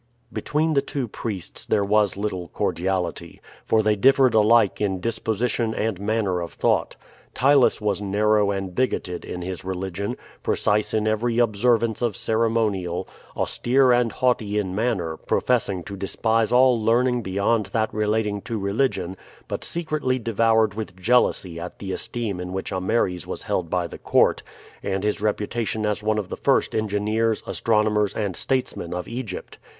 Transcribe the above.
Between the two priests there was little cordiality, for they differed alike in disposition and manner of thought. Ptylus was narrow and bigoted in his religion, precise in every observance of ceremonial; austere and haughty in manner, professing to despise all learning beyond that relating to religion, but secretly devoured with jealousy at the esteem in which Ameres was held by the court, and his reputation as one of the first engineers, astronomers and statesmen of Egypt.